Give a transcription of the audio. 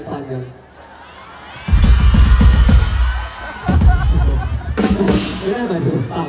ส่งกันแม่ป์แบกกันไหว